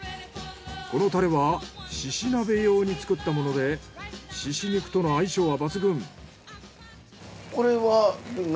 このたれは猪鍋用に作ったもので猪肉との相性は抜群。